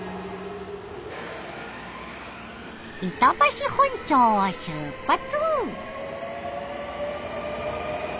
板橋本町を出発！